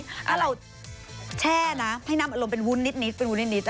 ถ้าเราแช่นะให้น้ำอารมณ์เป็นวุ่นนิด